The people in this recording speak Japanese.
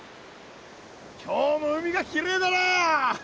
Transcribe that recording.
今日も海がきれいだな！